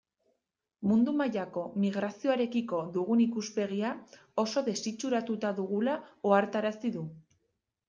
Mundu mailako migrazioarekiko dugun ikuspegia oso desitxuratuta dugula ohartarazi du.